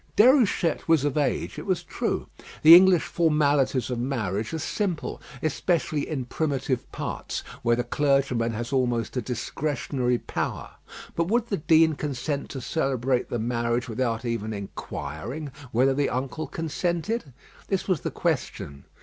Déruchette was of age, it was true. The English formalities of marriage are simple, especially in primitive parts, where the clergyman has almost a discretionary power; but would the Dean consent to celebrate the marriage without even inquiring whether the uncle consented? This was the question.